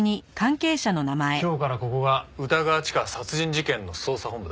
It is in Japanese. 今日からここが歌川チカ殺人事件の捜査本部だ。